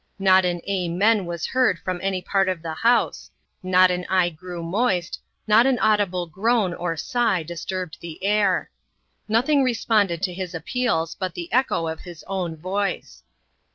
Not an "amen" was heard from any part of the house; not an eye grew moist; not an audible groan or sigh disturbed the air. Nothing responded to his appeals but the echo of his own voice.